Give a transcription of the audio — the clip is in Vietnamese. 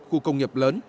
khu công nghiệp lớn